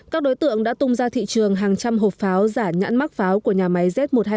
các đối tượng đã tung ra thị trường hàng trăm hộp pháo giả nhãn mắc pháo của nhà máy z một trăm hai mươi